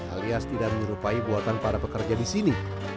alias tidak menyerupai buatan para pekerja di sini